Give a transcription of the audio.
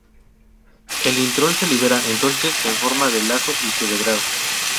El intrón se libera entonces en forma de lazo y se degrada.